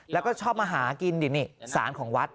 แล้วก็ชอบมาหากินสารของวัด